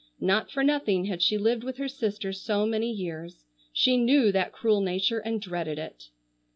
Not for nothing had she lived with her sister so many years. She knew that cruel nature and dreaded it.